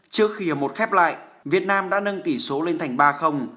trước khi một khép lại việt nam đã nâng tỷ số lên thành ba